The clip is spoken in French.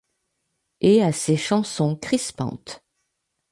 Et à ses chansons crispantes.